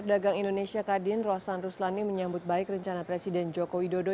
dagang indonesia kadin rosan ruslani menyambut baik rencana presiden joko widodo